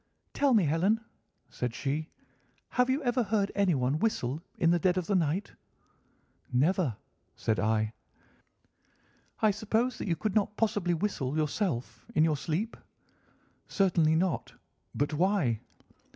"'Tell me, Helen,' said she, 'have you ever heard anyone whistle in the dead of the night?' "'Never,' said I. "'I suppose that you could not possibly whistle, yourself, in your sleep?' "'Certainly not. But why?